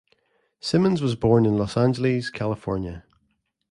Simmons was born in Los Angeles, California.